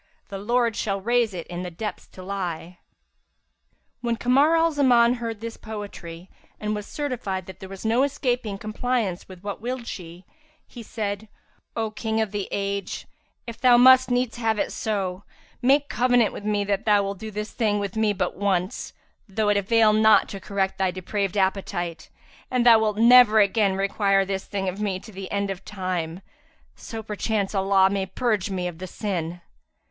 * The Lord shall raise it in the depths to lie.'"[FN#346] When Kamar al Zaman heard her quote this poetry, and was certified that there was no escaping compliance with what willed she, he said, "O King of the age, if thou must needs have it so, make covenant with me that thou wilt do this thing with me but once, though it avail not to correct thy depraved appetite, and that thou wilt never again require this thing of me to the end of time; so perchance shall Allah purge me of the sin."